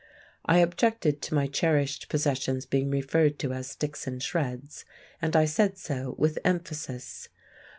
I objected to my cherished possessions being referred to as sticks and shreds, and I said so, with emphasis.